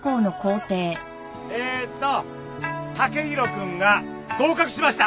えーと剛洋君が合格しました。